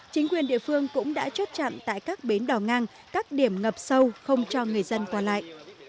chính quyền địa phương cũng đã chốt chặn tại các bến đỏ ngang các điểm ngập sâu không cho người dân qua lại